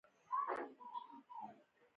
بدلون د ژوند د خوځښت ښکارندوی دی.